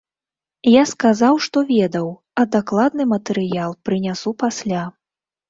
Я сказаў, што ведаў, а дакладны матэрыял прынясу пасля.